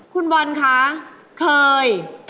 คุณบอลคะเคย